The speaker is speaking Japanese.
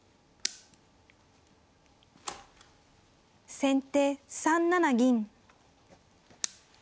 先手３七銀。